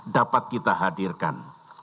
dapat kita hadirkan